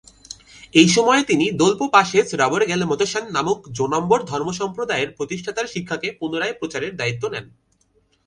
এই সময়ে তিনি দোল-পো-পা-শেস-রাব-র্গ্যাল-ম্ত্শান নামক জো-নম্বর ধর্মসম্প্রদায়ের প্রতিষ্ঠাতার শিক্ষাকে পুনরায় প্রচারের দায়িত্ব নেন।